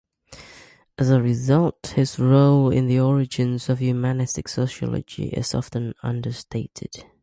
As a result, his role in the origins of Humanistic sociology is often understated.